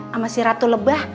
sama si ratu lebah